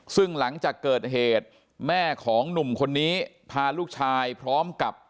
ซึ่งหลังจากเกิดเหตุแม่ของหนุ่มคนนี้พาลูกชายพร้อมกับ